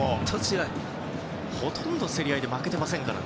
ほとんど競り合いで負けてませんからね。